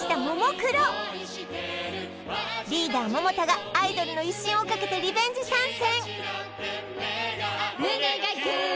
クロリーダー・百田がアイドルの威信をかけてリベンジ参戦